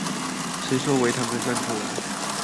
誰說微糖的站出來